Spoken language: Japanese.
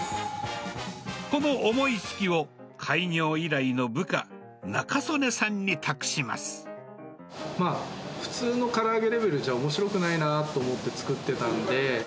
この思い付きを、開業以来の部下、普通のから揚げレベルじゃおもしろくないなと思って作ってたんで。